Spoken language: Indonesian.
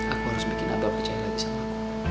aku harus bikin abah percaya lagi sama aku